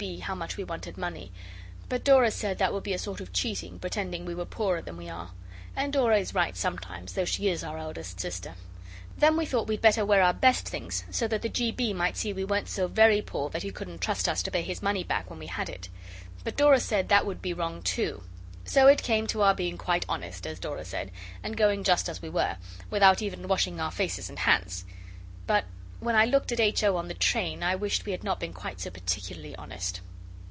B. how much we wanted money. But Dora said that would be a sort of cheating, pretending we were poorer than we are. And Dora is right sometimes, though she is our elder sister. Then we thought we'd better wear our best things, so that the G. B. might see we weren't so very poor that he couldn't trust us to pay his money back when we had it. But Dora said that would be wrong too. So it came to our being quite honest, as Dora said, and going just as we were, without even washing our faces and hands; but when I looked at H. O. in the train I wished we had not been quite so particularly honest.